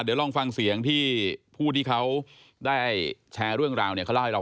เดี๋ยวลองฟังเสียงที่ผู้ที่เขาได้แชร์เรื่องราว